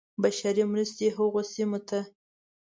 بشري مرستې هغو سیمو ته.